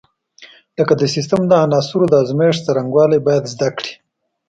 لکه د سیسټم د عناصرو د ازمېښت څرنګوالي باید زده کړي.